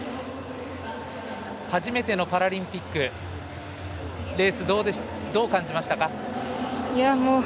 初めてのパラリンピックレース、どう感じましたか。